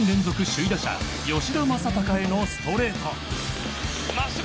首位打者吉田正尚へのストレート。